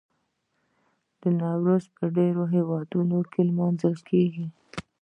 نوروز په ډیرو هیوادونو کې لمانځل کیږي.